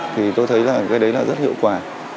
thì tôi thấy rằng cái đấy là rất hiệu quả